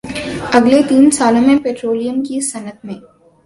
اگلے تین سالوں میں پٹرولیم کی صنعت میں